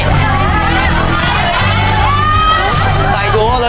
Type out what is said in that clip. ชุดที่๔ข้าวเหนียว๒ห้อชุดที่๔